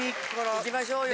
いきましょうよ。